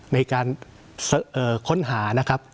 ในการค้นหานะครับ